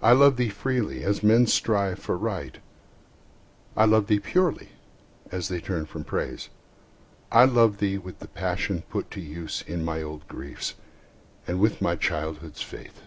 I love thee freely, as men strive for Right; I love thee purely, as they turn from Praise. I love thee with the passion put to use In my old griefs, and with my childhood's faith.